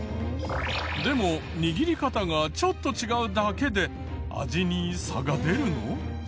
でも握り方がちょっと違うだけで味に差が出るの？